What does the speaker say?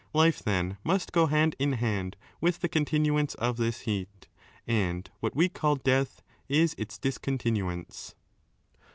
6 Life, then, must go hand in hand with the continuance of this heat, and what we call death is its discontinuance.